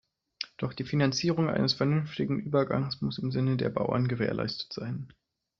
Doch die Finanzierung eines vernünftigen Übergangs muss im Sinne der Bauern gewährleistet sein.